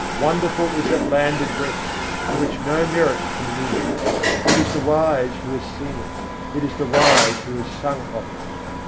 Wonderful is that land of rest, to which no merit can win; It is the wise who has seen it, it is the wise who has sung of it.